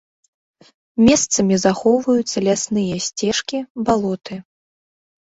Месцамі захоўваюцца лясныя сцежкі, балоты.